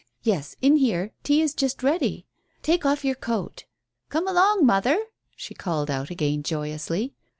Yes, in here; tea is just ready. Take off your coat. Come along, mother," she called out again joyously.